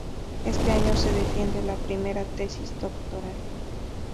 Este año se defiende la primera tesis doctoral.